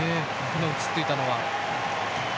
今、映っていたのは。